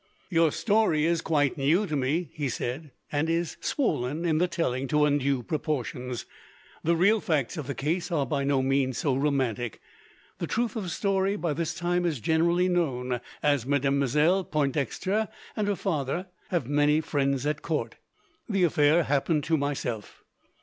"Your story is quite new to me," he said, "and is swollen, in the telling, to undue proportions. The real facts of the case are by no means so romantic. The truth of the story, by this time, is generally known, as Mademoiselle Pointdexter and her father have many friends at court. The affair happened to myself."